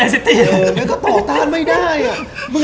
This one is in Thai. เออไอ้เกง